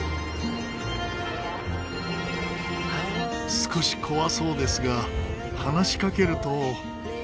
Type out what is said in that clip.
少し怖そうですが話しかけると。